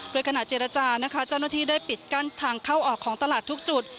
โดยขณะเจรจานะคะเจ้าหน้าที่ได้ปิดกั้นทางเข้าออกของตลาดทุกจุด